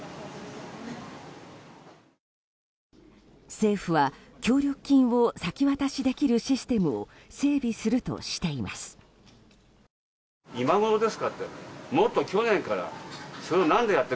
政府は、協力金を先渡しできるシステムを整備するとしています。